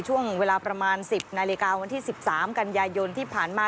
ช่วงเวลาประมาณ๑๐นาฬิกาวันที่๑๓กันยายนที่ผ่านมา